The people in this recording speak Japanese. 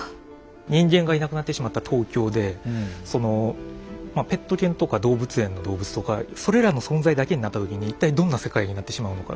人間がいなくなってしまった東京でそのペット犬とか動物園の動物とかそれらの存在だけになった時に一体どんな世界になってしまうのか。